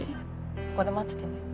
ここで待っててね